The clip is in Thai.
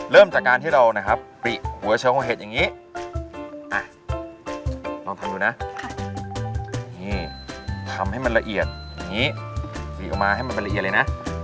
เริ่มจากการที่เราปลิหัวเชื้อของเห็ดอย่างนี้ลองทำดูนะทำให้มันละเอียดปลิออกมาให้มันละเอียดเลยนะ